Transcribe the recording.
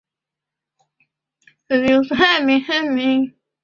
马利克称自己从十二岁开始就对自己的外貌感到骄傲。